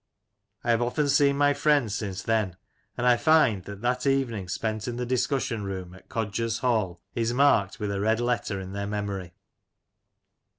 I have often seen my friends since then, and I find that that evening spent in the discussion room at " Coger's Hall " is marked with a red letter in their memory.